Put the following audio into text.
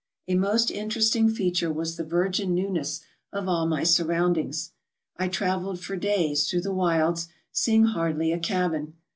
A most interesting feature was the virgin newness of all my surroundings. I travelled for days through the wilds, eeing hardly a cabin.